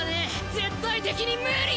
絶対的に無理！